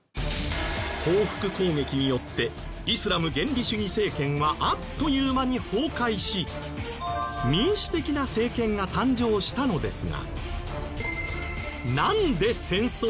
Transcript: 報復攻撃によってイスラム原理主義政権はあっという間に崩壊し民主的な政権が誕生したのですが。